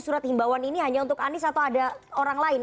surat himbawan ini hanya untuk anies atau ada orang lain